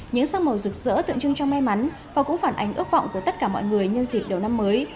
những sắc màu rực rỡ tượng trưng cho may mắn và cũng phản ánh ước vọng của tất cả mọi người nhân dịp đầu năm mới